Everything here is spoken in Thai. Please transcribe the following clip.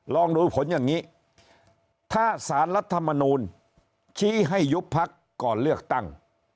ลองดูผลอย่างนี้ถ้าสารรัฐมนูลชี้ให้ยุบพักก่อนเลือกตั้ง